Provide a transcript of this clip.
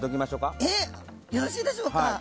よろしいでしょうか？